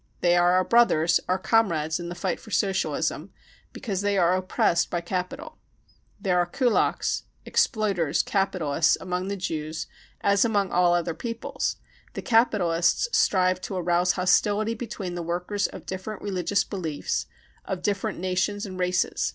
They are our brothers, our comrades in the fight for socialism, because they are oppressed by capital. There are kulaks, exploiters, capitalists, among the Jews as among all other peoples. The capitalists strive to arouse hostility between the workers of different religious beliefs, of different nations and races.